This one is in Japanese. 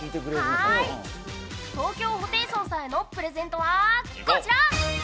東京ホテイソンさんへのプレゼントはこちら。